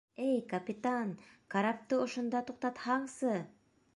— Эй капитан, карапты ошонда туҡтатһаңсы!